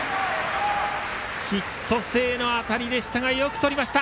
ヒット性の当たりでしたがよくとりました。